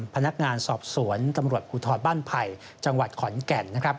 พนักงานสอบสวนตำรวจภูทรบ้านไผ่จังหวัดขอนแก่นนะครับ